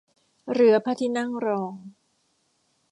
เรือพระที่นั่งรอง